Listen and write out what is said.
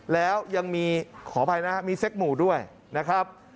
แล้วยังมีขออภัยนะครับมีเซ็กหมู่ด้วยนะครับ